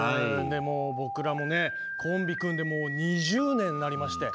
でも僕らもねコンビ組んでもう２０年になりまして。